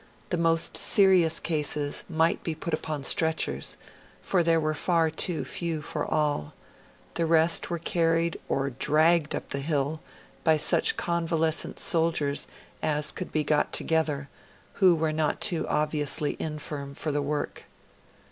The most serious cases might be put upon stretchers for there were far too few for all; the rest were carried or dragged up the hill by such convalescent soldiers as could be got together, who were not too obviously infirm for the work.